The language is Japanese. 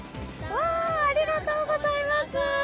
ありがとうございます！